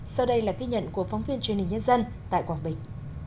sau đây là ghi nhận của phóng viên truyền hình nhân dân tại quảng bình